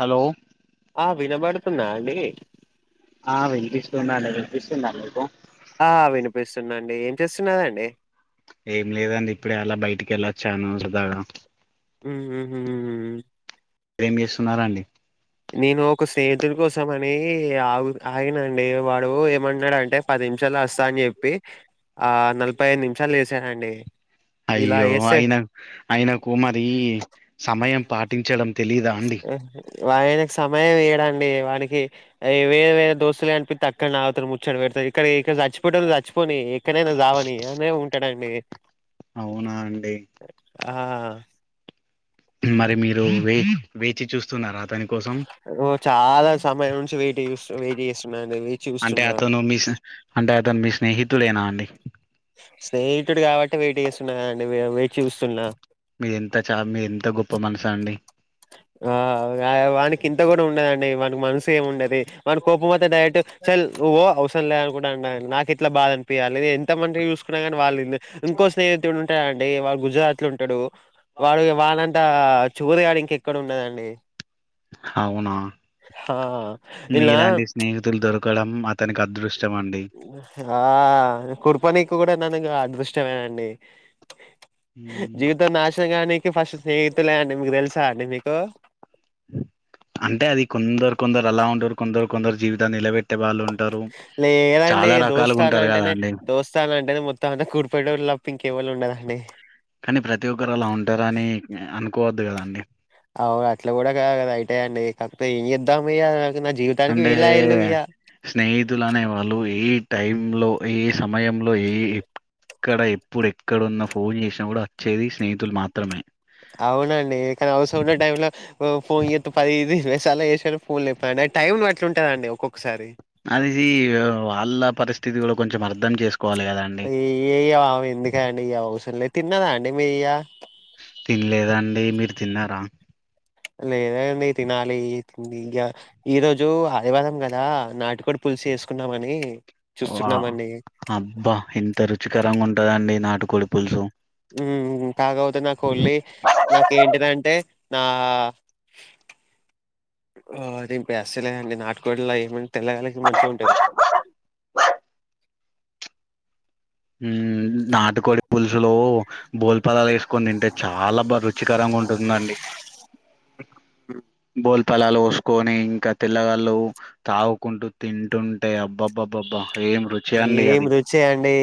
Hello ఆ వినబడుతుందా అండి ఆ వినిపింస్తుందండి వినిపిస్తుందా మీకు ఆ వినిపిస్తుంది అండి ఏం చేస్తున్నరండి ఎమ్ లేదండి ఇప్పుడే అలా బయటికి వెళ్ళొచ్చాను సరదాగా. ఉ హు మీరేం చేస్తున్నారాండి నేను ఒక స్నేహితుడి కోసం అని ఆగు ఆగినండి వాడు ఏమన్నాడంటే పది నిమిషాల్లో వస్తా అని చెప్పి ఆ నలభై ఐదు నిమిషాలు చేసానండి. అయ్యో ఆయన ఆయనకు మరి సమయం పాటించడం తెలీదా అండి ఆయనకు సమయం వేడండి వానికి వే వేర దోస్తులే అనిపితే అక్కన్నే ఆగుతారు ము చ్చడ పెడతా ఇక్కడ ఇక్కడ చచ్చిపోట్లు చచ్చిపోని ఎక్కడైనా చావని అనే ఉంటాడండి. ఉనా అండి ఆ మరి మీరు వే వేచి చూస్తున్నారా అతని కోసం ఓ చాలా సమయం నుంచి వెయిట్ చేస్ వెయిట్ చేస్తున్నాను అంటే అతను మీస్ అంటే అతను మీ స్నేహితుడేనా అండి స్నేహితుడు కాబట్టి వెయిట్ చేస్తున్నాండి బాబొయ్ చూస్తున్నా మీరు ఎంత చ మీరు ఎంత గొప్ప మనసు అండి ఆ వానికి ఇంత కూడా ఉండదండి వానకి మనసు ఏమి ఉండదే వానికి కోపం వత్తె డైరెక్ట్ చల్ నువ్వు పొ అవసరం లే అనుకుంట నాకు ఇట్లా బాధ అనిపియాలి ఎంత మంచిగా చూసుకున్నా గాని వాళ్ళు ఇంకో స్నేహితుడు ఉంటే అంటే వాడు గుజరాత్ లో ఉంటాడు వాడు వాడంతా చూరెగాడు ఇంకెక్కడ ఉండాడండి అవునా నిన్న మీలాంటి స్నేహితులు దొరకడం అతనికి అదృష్టం అండి ఉఫా కుడ్పొనీకి కూడా నాను అదృష్టమేనండి జీవితం నాశానం కావనికి ఫస్ట్ స్నేహితులే అండి మీకు తెలుసా అండి మీకు అంటే అది కొందరు కొందరు అలా ఉంటారు కొందరు కొందరు జీవితాన్ని నిలబెట్ లేదండి రకాలుగా దోస్తాల్ల ఉంటారు కదా అంటేనే అండి దోస్తాలంటేనే మొత్తం అంత కుడిపోయేటొల్లే తప్పితే ఇంకా ఎవళు ఉండాదండి కానీ ప్రతి ఒక్కరు అలా ఉంటారాని అనుకోవద్దు కదాండి అవును అట్లా కూడా కా కదా అయితే అండి కాకపోతే ఏం [unintelligible] వీళ్ళయిళ్ళు ఇగ స్నేహితులు అనేవాళ్ళు ఏ టైం లో ఏ సమయంలో ఏ ఇక్కడ ఎప్పుడు ఎక్కడు ఉన్నా ఫోన్ చేసనా కూడా వచ్చేది స్నేహితులు మాత్రమే అవునండి కానీ అవసరం అయిన టైం లో ఫోన్ చేత్తె ఓ పది ఇరవై సార్లు చేసిన ఫోన్లు ఎత్తారండి టైం అట్లాంటాదండి ఒక్కొక్కసారి అయ్యయ్యో వాళ్ళ పరిస్థితి కూడా కొంచెం అర్థం చేసుకో ఎయ యా ఎందుకండి ఇంగా అవసరం తిన్నవా అండి మీరు ఇగ తినలేదాండి మీరు తిన్నారా లేదండి తినాలి ఈరోజు ఆదివారం కదా నాటికోడు పులుసు చేసుకుందామని చూస్తున్నామండి అబ్బా ఇంత రుచికరంగా ఉంటదండి నాటుకోడి పులుసు మ్మ్ కాకపోతే నాకు కోళ్ళే నాకేంటిదంటే బ [unintelligible] నాటుకోళ్లో ఏమే ఉంటాదొ గాని మంచిగా ఉంటుంది బయ్ మ్మ్ నాటుకోడి పులుసులో బోల్పాలు వేసు కొని తింటే చాలా బా రుచికరంగా ఉంటుందండి బోల్పలాలు పోసుకొని ఇంకా తెల్లగళ్ళు తాగుకుంటూ తింటుంటే అబ్బబ్బబ్బబ్బా ఏం రుచి అండి ఏం అది రుచే అండి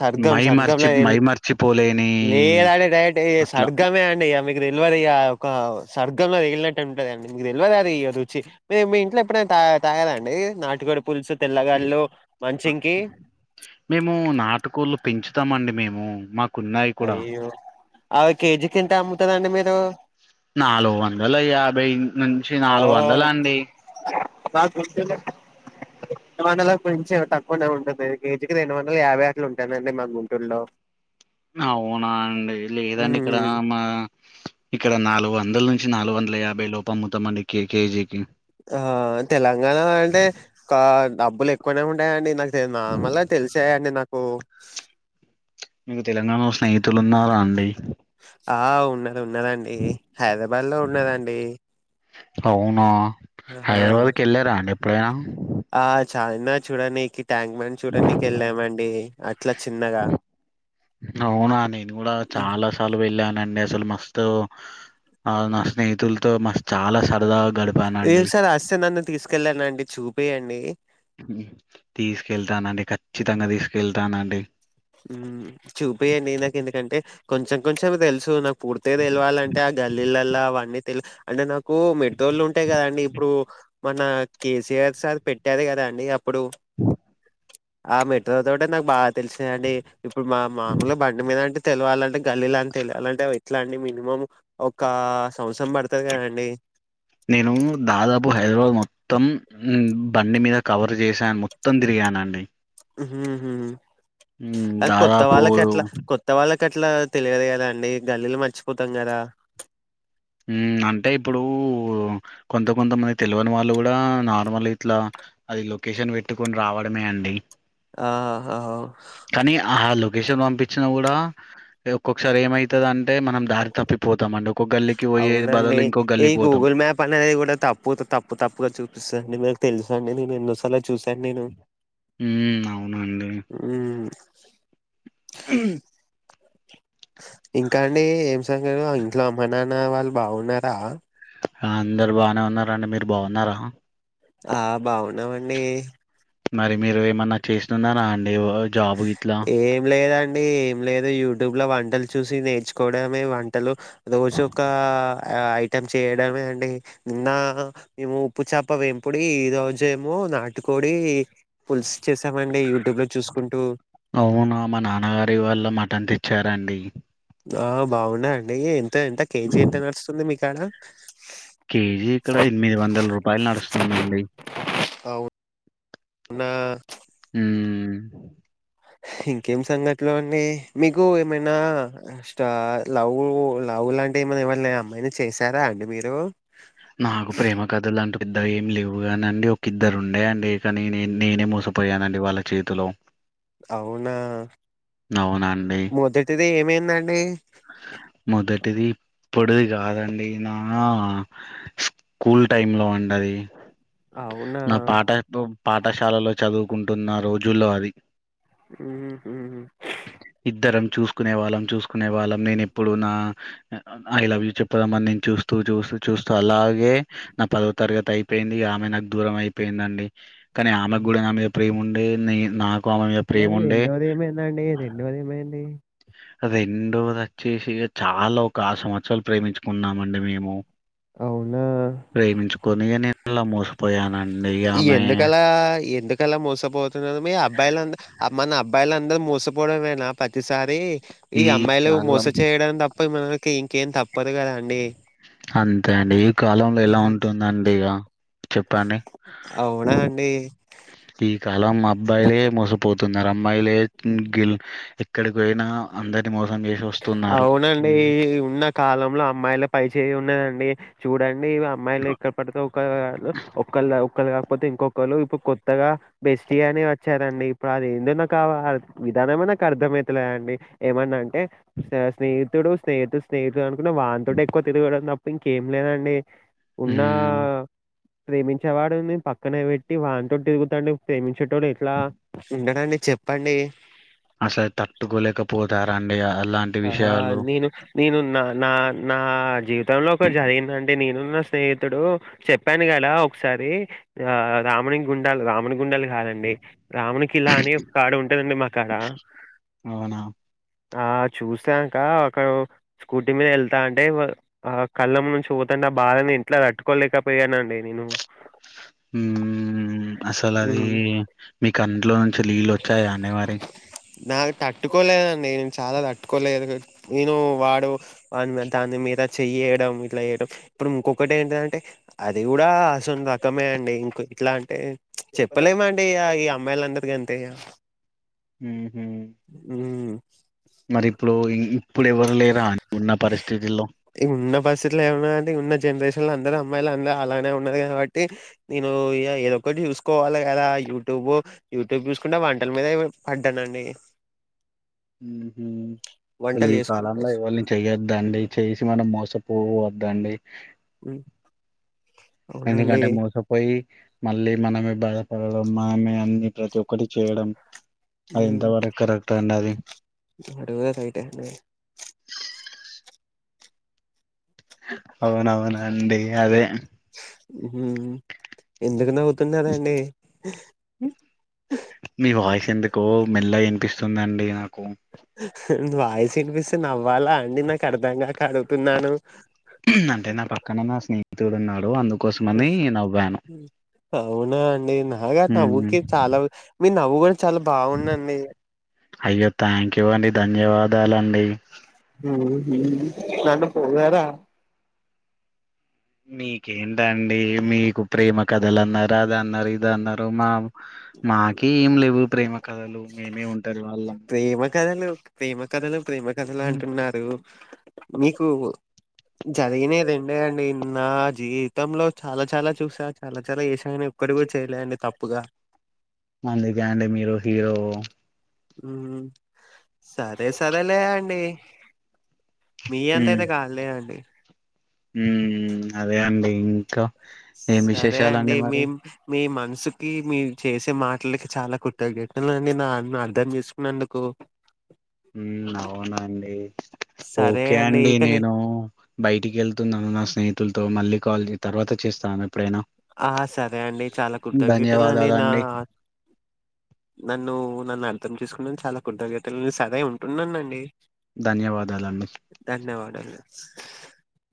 సర్గం మైమర్చి సర్గంలా లేదండి మైమర్చిపోలేని [unintelligible] డైరెక్ట్ ఈ సర్గమే అండి ఇక మీకు డెలివరీ ఇయ్యా ఒక స్వర్గంలో తిలినట్టు ఉంటదాండి మీకు తెలియద అది ఈ రుచి మీ మీ ఇంట్లో ఎప్పుడైనా త తాగరండి నాటుకొడి పులుసు తెల్లగాలు మంచింగ్ మేము నాటుకోళ్లు పెంచుతామండి మేము మాకున్నాయి కూడా ఓ కేజీకి ఎంత అమ్ముతరండి మీరు నాలుగు వందల యాభై నుంచి నాలుగు వందల అండి ఆ పాప ఉరుకుతుండే మూడు వందల కి కొంచెం తక్కువనే ఉంటుంది కేజీ చికెన్ రెండు వందలు యాభై అట్లా ఉంటాదండి మా గుంటూరులో అవునా అండి లేదండి ఇక్కడ ఉమ్ మా ఇక్కడ నాలుగు మూడు వందల నుంచి నాలుగు వందల యాభై లోపల ఉంటాదండి కే కేజీకి ఆ తెలంగాణ అంటే డబ్బులు ఎక్కువనే ఉంటాయండి మళ్ళా తెలిసాయండి నాకు మీకు తెలంగాణలో స్నేహితులు ఉన్నారా అండి ఆ ఉన్నది ఉన్నదండీ హైదరాబాద్ లో ఉన్నదండీ అవునా హైరాబాద్కి ఎళ్ళారా అండి ఎప్పుడైనా ఆ చాన్నార్ చూడనీకి ట్యాంక్ బండ్ చూడనికి ఎళ్ళామండి అట్లా చిన్నగా అవునా నేను గూడా చాలా సార్లు వెళ్ళానండి అసలు మస్ తు నా నా స్నేహితుల్తో మస్ చాలా సరదా ఈసారి అస్సె నన్ను తీసుకెళ్ళనండి చూపీయండి తీసుకెళ్తానండి ఖచ్చితంగ తీసుకెళ్తానండి ఊ చూపియండి నాకు ఎందుకంటే కొంచెం కొంచెమే తెలుసు నా పూర్తిగ దెల్వాలంటే ఆ గల్లీలల్ల అవన్నీ తెల్, అంటే నాకు మెట్తోళ్లు ఉంటాయి గదండి. ఇప్పుడూ మన కేసీఆర్ సార్ పెట్టారు గదా అండి అప్పుడు ఆ మెట్రోతోటే నాకు బాగ తెల్స్ అండి ఇప్పుడు మా మామూల్గ బండి మీద అంటే తెలువాలంటే, గల్లీల అన్ తెలియాలంటే, ఎట్లా అండి మినిమం. ఒకా సంవ్సం బడుతది గదండి నేను [unintelligible] మొత్తం బండి మీద కవర్ చేసాన్ మొత్తం దిరిగానండి. ఉహుహూ అ కొత్త వాళ్ళక్ దాదాపు అట్ల కొత్త వాళ్ళక్ కట్లా తెలియదు గదా అండి గల్లీలు మర్చిపోతం గదా ఊమ్ అంటే ఇప్పుడూ కొంత కొంతమంది తెలువని వాళ్ళు గూడా నార్మల్ ఇట్లా. అది లొకేషన్ వెట్టుకొని రావడమే అండి ఆ హౌ గేషన్ వంపిచ్చిన గూడా ఒక్కొక్కసార్ ఏమైతదంటే మనం దారి తప్పిపోతామండి ఒ అవునండి, ఈ గూగుల్ మ్యాప్ అనేది గూడా తప్పు తతప్పు తప్పుగా చూపిస్సదండి మి తెలుసండి నేను ఎన్నోసాల చూసాన్ నేను హ్మ్. అవునండి. ఇంకా అండి ఏం సగదు ఇంట్లో అమ్మ నాన్న వాళ్ బాగున్నారా హా అందరు బానే ఉన్నారండి మీరు బాగున్నారా ఆ బాగున్నావండీ మరి మీరు ఏమన్నా చేస్నున్నారా అండి ఓ జాబ్ గిట్లా? ఏం లేదండి ఏం లేదు యూట్యూబ్ లో వంటల్ చూసి నేర్చుకోవడమే వంటలు రోజు ఒకా ఐటెమ్ చేయడమే అండి, నిన్నా మేము ఉప్పు చేప వంపుడి ఈ రోజేమో. నాటుకోడి పుల్స్ చేసామండి యూట్యూబ్ లో చూసుకుంటూ అవునా మా నాన్నగారు ఇవాళ మటన్ తెచ్చారండి ఆ బాగున్నాయా అండి ఎంత ఎంత కేజీ ఎంత నడుస్తుంది మీ కాడ కేజీ ఇక్కడ ఎనిమిది వందల రూపాయలు నడుస్తుందండి అవు నా ఉ ఇంకేం సంగట్లు అండి మీకు ఏమైనా స్టా లవ్వూ ల లవ్వు లాంటి ఏమన్ ఎవళ్ళె అమ్మాయిని చేసారా అండి మీరు నాకు ప్రేమ కథ లంటు పెద్ద ఏమి లేవు గానండి ఒక ఇద్దరు ఉండే అండి. చ నేనే నేనే మోసపోయానండి వాళ్ళ చేతిలో అవునా అవునా మొదటిది ఏమైందండి అ మొదటిది ఇప్పుడుది గాదండి నా స్కూల్ టైమ్ లో అండి అదీ అవునా పాఠశాలలో చదువుకుంటున్న రోజుల్లో అది ఊ హు చూస్కునే వాళ్ళం చూస్కునే వాళ్ళం నేను ఎప్పుడు నా ఐ లవ్ యూ చెప్పదామని నేను చూస్తూ చూస్తూ చూస్తూ అలాగే నా పదవ తరగతి అయిపోయింది ఆమె నాకు దూరం అయిపోయిందండి కానీ ఆమెకు గూడా నా మీద ప్రేమ ఉండేనే నాకు ఆమె మీద ప్రేమ మరి ఉండే రెండోది ఏమైందండి రెండోది ఏమైంది రెండోది వచ్చేసి ఇగా చాలా ఒక ఆరు సంవత్సరాలు ప్రేమించుకున్నామండి మేము అవునా ప్రేమించుకొని నేనలా మోసపోయాన ఎందుకలా ఎందుకలా మోసపోతున్నా మీ అబ్బాయిలంతా మన అబ్బాయిల అందరు మోసపోవడమేనా ప్రతిసారి ఈ అమ్మాయిలు మోస చేయడం తప్ప మనకి ఇంకేం తప్ప అంతే అండి ఈ కాలంలో ఎలా ఉంటుందండి ఇగ చెప్పండి అవునా అండి ఈ కాలం అబ్బాయిలే మోసపోతున్నారు అమ్మాయిలే గ ఎక్కడికి పోయినా అందరి మోస అవునండి ఉన్న కాలంలో అమ్మాయిల పై చేయి ఉన్నదండి చూడండి అమ్మాయిలు ఎక్కడ పడితే ఒకళ్ళు ఒకళ్ళ ఒకళ్ళు కాకపోతే ఇంకొకళ్ళు ఇప్పుడు కొత్తగా బెస్టీ అని వచ్చాదండి ఇప్పుడు అది ఏంటో నాకు అ దానేమో నాకు అర్ధమయితలేదండి ఏమన్నా అంటే స్ స్నేహితుడు స్నేహితుడు స్నేహితుడు అనుకుంట వాంతోటే ఎక్కువ తిరగడం తప్ప ఇంకేం లేదండి ఉన్న హ్మ్. ప్రేమించేవాడిని పక్కన పెట్టి వానితో తిరుగుతుంటే ప్రేమించ చెటోళ్ళు ఎట్లా ఉండదండి చెప్పండి అసలు తట్టుకోలేకపోతారండి అలాంటి ఆ విషయాలు నేను నేను నా నా నా జీవితంలో ఒక జరిగిందంటే నేనున్న స్నేహితుడు చెప్పాను కదా ఒకసారి ఆ రాముని గుండలు రాముని గుండలు కాదండి రాముని కిల్లా అని ఒక కాడ ఉంటదండి మా కాడ అవునా? ఆ చూసాక అక్కడ స్కూటీ మీద వెళ్తాంటే ఆ కళ్ళముందు నుంచి పోతున బాధని ఇంట్లా తట్టుకోలేకపోయానండి నేను ఉమ్ అసలు అది హ్మ్. మీకు కంట్లో నుంచి లీళ్ళూ వచ్చాయా అండి మరి నాకు తట్టుకోలేదండి నేను చాలా తట్టుకోలేదు నేను వాడు వాని దాని మీద చెయేయ్యడం ఇట్లా చేయడం ఇప్పుడు ఇంకొకటి ఏంటిదంటే అది గూడా అసలు రకమే అండి ఇం ఇట్లా అంటే చెప్పలేమండి ఈ అమ్మాయిలందరు గంతేయిగ ఉమ్ హూ మరి ఇప్పుడు ఇప్పుడు ఎవరు లేరా అండి ఉన్న పరిస్థితుల్లో ఇగ ఉన్న పరిస్థితులో ఏమున్నదండి ఉన్న జనరేషన్ లో అందరు అమ్మాయిలు అందరు అలానే ఉన్నారు కాబట్టి నేను ఇగ ఏదొక్కటి చూసుకోవాలిగ కదా యూట్యూబో యూట్యూబ్ చూసుకుంటా వంటల మీద పడ్డానండి ఉమ్ హూ వంటలు ఈ చేసుకుంటే కాలంలో యెవళ్ని చేయొద్దండి చేసి మనం మోసపోవద్దండి ఉమ్ అవునండి ఎందుకంటే మోసపోయి మళ్ళీ మనమే బాధపడడం మనమే అన్ని ప్రతి ఒక్కటి చేయడం అది ఉమ్ ఎంతవరకు కరెక్ట్ అండి అది అది గూడా రైటే అండి అవునవునండి అదే ఉమ్ ఎందుకు నవ్వుతున్నారండి మీ వాయిస్ ఎందుకో మెల్లగ వినిపిస్తుందండి నాకు వాయిస్ వినిపిస్తే నవ్వాలా అండి నాకు అర్ధంగాక అడుగుతున్నాను అంటే నా పక్కన నా స్నేహితుడు ఉన్నాడు అందుకోసమని నవ్వాను అవునా అండి నాగ ఉమ్. నవ్వుకి చాలా మీ నవ్వు కూడా చాలా బాగుందండి అయ్యో థ్యాంక్ యూ అండి ధన్యవాదాలండి [unintelligible] నన్ను పోగిడారా. మీకేంటండి మీకు ప్రేమ కథలు అన్నారు, అద అన్నారు, ఇది అన్నారు మా మాకి ఏం లేవు ప్రేమ కథలు మేమే ఓంటరి వాళ్ళం. ప్రేమ కథలు ప్రేమ కథలు, ప్రేమ కథలు అంటున్నారు మీకు జరిగినయి రెండే అండి నా జీ వితంలో చాలా చాలా చూసా, చాలా చాలా చేసా గాని ఎక్కటి కూడా చేయలేదండి తప్పుగా. అందుకే అండి మీరు హీరో. సరే సరేలే అండి. మీ అంత అయితే కాదులే అండి అదే అండి ఇంకా. ఏం సరే అండి విశేషాలండి మరి మీం మీ మన సుకి మీ చేసే మాటలకి చాలా కృతజ్ఞతలు అండి నా నన్ను అర్థం చేసుకున్నందుకు. ఉ అవునాండి. సరే ఓకే అండి ఇకని నేను బయటికి ఎళ్తున్నాను నా స్నేహితులతో మళ్ళీ కాల్ తర్వాత చేస్తాను. ఎప్పుడైనా ఆ సరే అండి చాలా కృతజ్ఞతలండి నా ధన్యవాదాలండి నన్ను నన్ను అర్థం చేసుకున్నందుకు చాలా కృతజ్ఞతలు సరే ఉంటున్నానండి. ధన్యవాదాలండి. [inaudible] స్